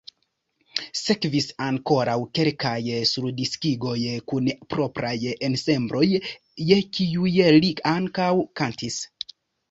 Sekvis ankoraŭ kelkaj surdiskigoj kun propraj ensembloj, je kiuj li ankaŭ kantis.